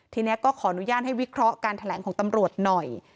ทีนี้ก็ขออนุญาตให้วิเคราะห์การแถลงของตำรวจหน่อย